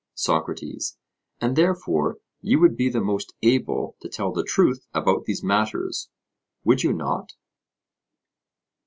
SOCRATES: And therefore you would be the most able to tell the truth about these matters, would you not?